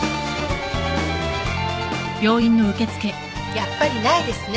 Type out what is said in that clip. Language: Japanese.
やっぱりないですね。